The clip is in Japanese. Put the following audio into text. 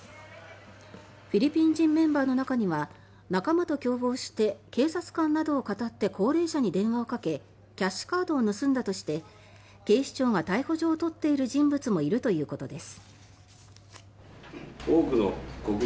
フィリピン人メンバーの中には仲間と共謀して警察官などをかたって高齢者に電話をかけキャッシュカードを盗んだとして警視庁が逮捕状を取っている人物もいるということです。